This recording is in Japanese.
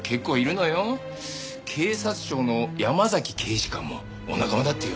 警察庁の山崎警視監もお仲間だってよ。